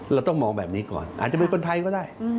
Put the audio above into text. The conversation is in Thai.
เราต้องมองแบบนี้ก่อนอาจจะเป็นคนไทยก็ได้